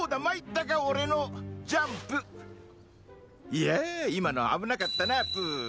「いや今の危なかったなプー」